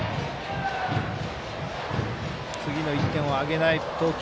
次の１点をあげない投球。